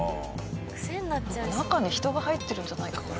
稲垣：中に人が入ってるんじゃないかな。